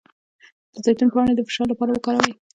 د زیتون پاڼې د فشار لپاره وکاروئ